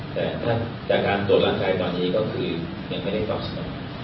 แต่ถ้าจากการตรวจร่างกายตอนนี้ก็คือยังไม่ได้ตอบสนอง